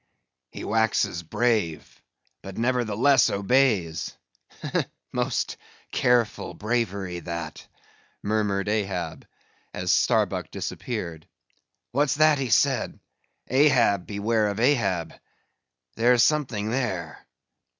"He waxes brave, but nevertheless obeys; most careful bravery that!" murmured Ahab, as Starbuck disappeared. "What's that he said—Ahab beware of Ahab—there's something there!"